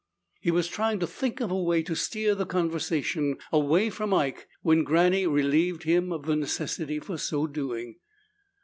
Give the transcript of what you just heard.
He was trying to think of a way to steer the conversation away from Ike when Granny relieved him of the necessity for so doing.